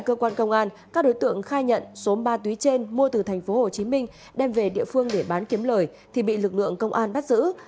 cơ quan công an huyện châu phú đã tiến hành kiểm tra